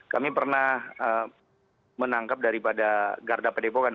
kami pernah menangkap daripada garda padepokan